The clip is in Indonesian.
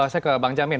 saya ke bang jamin